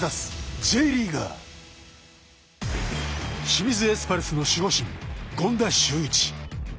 清水エスパルスの守護神権田修一。